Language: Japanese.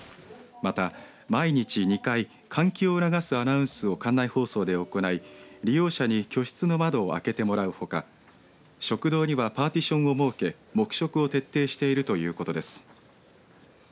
また、毎日２回換気を促すアナウンスを館内放送で行い利用者に居室の窓を開けてもらうほか食堂にはパーティションを設け黙食を徹底しているということです。